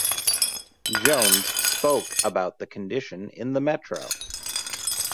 Jones spoke about the condition in the Metro.